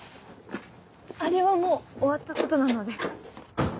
あれはもう終わったことなので。